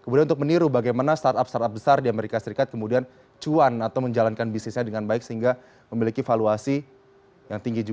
kemudian untuk meniru bagaimana startup startup besar di amerika serikat kemudian cuan atau menjalankan bisnisnya dengan baik sehingga memiliki valuasi yang tinggi juga